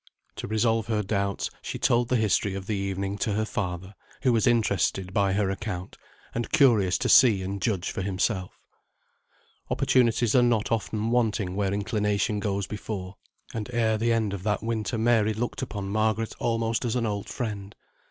To resolve her doubts, she told the history of the evening to her father, who was interested by her account, and curious to see and judge for himself. Opportunities are not often wanting where inclination goes before, and ere the end of that winter Mary looked upon Margaret almost as an old friend.